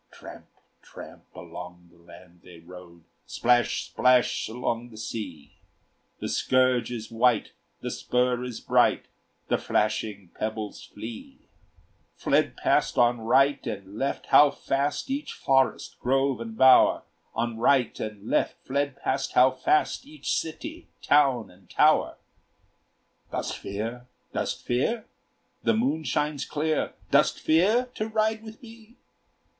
Tramp! tramp! along the land they rode, Splash! splash! along the sea; The scourge is wight, the spur is bright, The flashing pebbles flee. Fled past on right and left how fast Each forest, grove, and bower! On right and left fled past how fast Each city, town, and tower! "Dost fear? dost fear? The moon shines clear, Dost fear to ride with me?